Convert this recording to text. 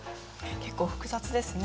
結構複雑ですね。